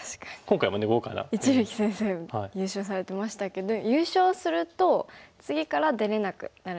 一力先生優勝されてましたけど優勝すると次から出れなくなるんですよね。